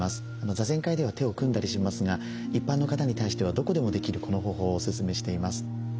座禅会では手を組んだりしますが一般の方に対してはどこでもできるこの方法をおすすめしています。